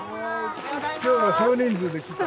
今日は少人数で来た？